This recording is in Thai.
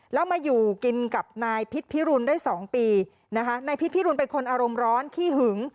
แล้วมาอยู่กินกับนายพิษพิรุณได้สองปีนะคะนายพิษพิรุณเป็นคนอารมณ์ร้อนขี้หึง